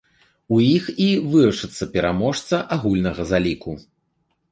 У іх і вырашыцца пераможца агульнага заліку.